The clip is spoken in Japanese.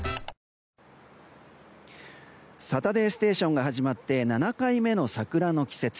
「サタデーステーション」始まって７回目の桜の季節。